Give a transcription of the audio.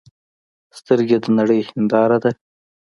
سترګې د نړۍ هنداره ده